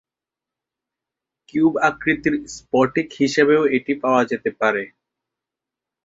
Cube আকৃতির স্ফটিক হিসেবেও এটা পাওয়া যেতে পারে।